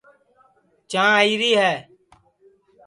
چانٚھ آئیری ہے